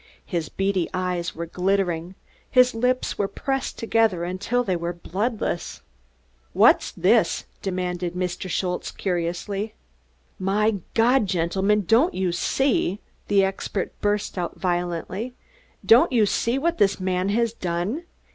His beady eyes were glittering; his lips were pressed together until they were bloodless. "Vas iss?" demanded Mr. Schultze curiously. "My God, gentlemen, don't you see?" the expert burst out violently. "Don't you see what this man has done?